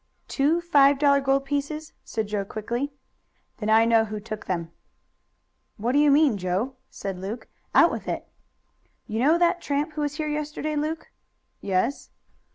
"Two five dollar gold pieces?" said Joe quickly. "Then I know who took them." "What do you mean, Joe?" said Luke. "Out with it!" "You know that tramp who was here yesterday, Luke?" "Yes."